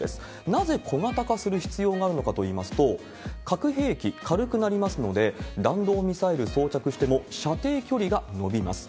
なぜ小型化する必要があるのかといいますと、核兵器、軽くなりますので、弾道ミサイル装着しても射程距離が伸びます。